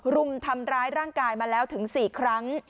รุมทำร้ายร่างกายมาแล้วถึง๔ครั้ง